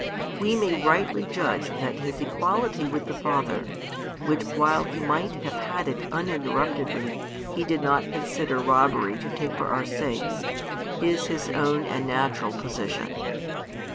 We may rightly judge that His equality with the Father, which while He might have had it uninterruptedly He did not consider robbery to take for our sake, is His own and natural position.